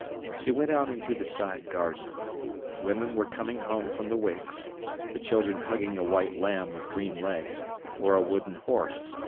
She went out into the side garden. Women were coming home from the wakes, the children hugging a white lamb with green legs, or a wooden horse.